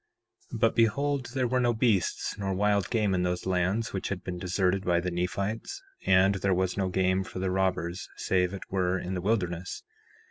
4:2 But behold, there were no wild beasts nor game in those lands which had been deserted by the Nephites, and there was no game for the robbers save it were in the wilderness.